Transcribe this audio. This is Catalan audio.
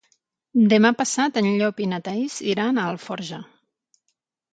Demà passat en Llop i na Thaís iran a Alforja.